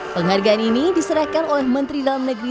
penghargaan ini diserahkan oleh menteri dalam negeri